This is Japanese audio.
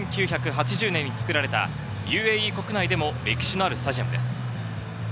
１９８０年に作られたＵＡＥ国内でも歴史のあるスタジアムです。